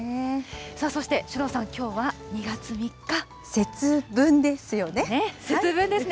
そして首藤さん、きょうは２節分ですよね？